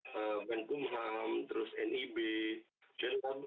tapi yang kami pahami member mark ai saat ini sudah mencapai lima ratus ribu member